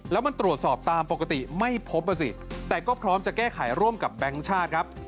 แล้วมันตรวจสอบตามปกติไม่พบอ่ะสิแต่ก็พร้อมจะแก้ไขร่วมกับแบงค์ชาติครับ